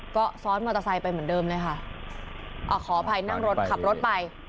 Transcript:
ก็ซ้อนมอเตอร์ไซค์ไปเหมือนเดิมเลยค่ะอ่าขออภัยนั่งรถขับรถไป